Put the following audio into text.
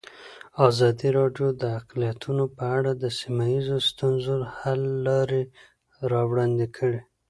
ازادي راډیو د اقلیتونه په اړه د سیمه ییزو ستونزو حل لارې راوړاندې کړې.